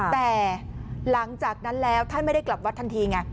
แต่หลังจากนั้นแล้วท่านไม่ได้กลับวัดทันทีไง